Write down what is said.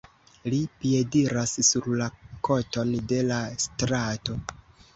Li piediras sur la koton de la strato.